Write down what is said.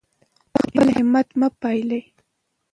خپل همت مه بایلئ.